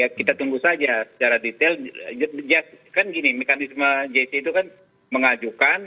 ya kita tunggu saja secara detail kan gini mekanisme jc itu kan mengajukan